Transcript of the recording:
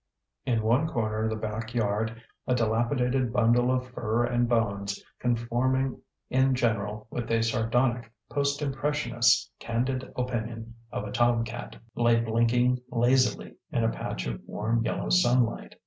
In one corner of the back yard a dilapidated bundle of fur and bones, conforming in general with a sardonic Post Impressionist's candid opinion of a tom cat, lay blinking lazily in a patch of warm yellow sunlight.